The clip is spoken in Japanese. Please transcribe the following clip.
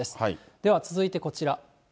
では続いてこちら。